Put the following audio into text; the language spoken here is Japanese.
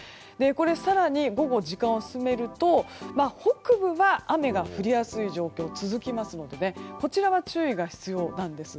更に午後、時間を進めると北部は雨が降りやすい状況が続きますのでこちらは注意が必要なんです。